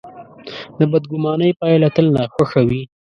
د بدګمانۍ پایله تل ناخوښه وي.